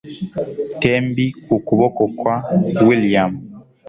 tembi ku kuboko kwa william